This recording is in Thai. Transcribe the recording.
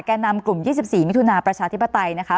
นำกลุ่ม๒๔มิถุนาประชาธิปไตยนะคะ